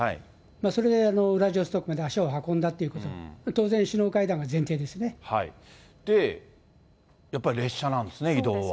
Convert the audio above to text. それでウラジオストクまで足を運んだということ、当然、首脳会談で、やっぱり列車なんですね、移動は。